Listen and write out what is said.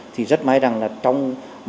thì rất may rằng là trong